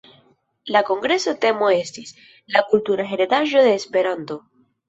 La kongresa temo estis: la kultura heredaĵo de Esperanto.